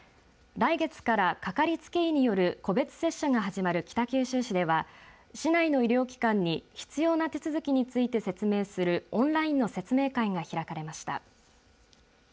来月から、かかりつけ医による個別接種が始まる北九州市では市内の医療機関に必要な手続きについて説明するオンラインの説明会が開かれました。